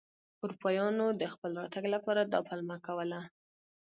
اروپایانو د خپل راتګ لپاره دا پلمه کوله.